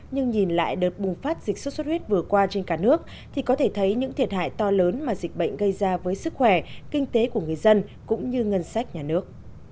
nhưng nhìn lại đợt bùng phát dịch sốt xuất huyết vừa qua trên cả nước thì có thể thấy những thiệt hại to lớn mà dịch bệnh gây ra với sức khỏe kinh tế của người dân cũng như ngân sách nhà nước